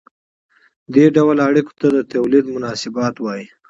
دې ډول اړیکو ته د تولید مناسبات وايي.